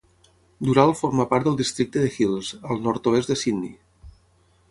Dural forma part del districte de Hills, al nord-oest de Sydney.